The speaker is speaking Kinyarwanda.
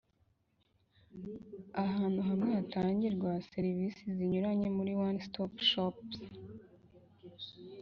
ahantu hamwe hatangirwa serivisi zinyuranye muri One Stop Shops